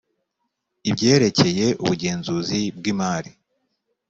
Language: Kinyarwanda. ibyerekeye ubugenzuzi bw imari